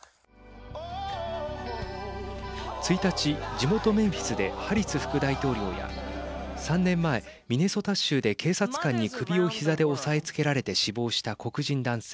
１日、地元メンフィスでハリス副大統領や３年前ミネソタ州で警察官に首をひざで押さえつけられて死亡した黒人男性